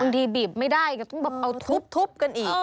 บางทีบีบไม่ได้ก็ต้องเอาทุบกันอีก